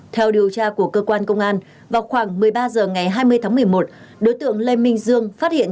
theo điều tra của cơ quan công an vào khoảng một mươi ba h ngày hai mươi tháng một mươi một đối tượng lê minh dương phát hiện